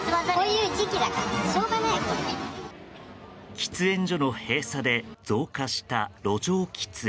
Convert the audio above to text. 喫煙所の閉鎖で増加した路上喫煙。